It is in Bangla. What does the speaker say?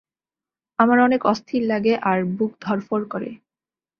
আমার অনেক অস্থির লাগে আর বুক ধরফর করে।